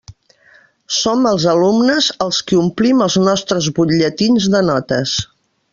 Som els alumnes els qui omplim els nostres butlletins de notes.